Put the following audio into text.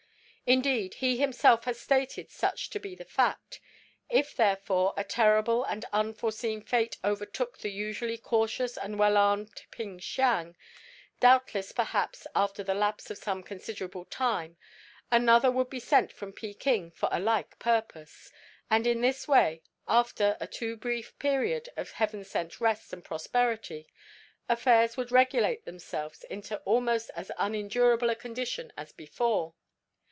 Indeed, he himself has stated such to be the fact. If, therefore, a terrible and unforeseen fate overtook the usually cautious and well armed Ping Siang, doubtless perhaps after the lapse of some considerable time another would be sent from Peking for a like purpose, and in this way, after a too brief period of heaven sent rest and prosperity, affairs would regulate themselves into almost as unendurable a condition as before.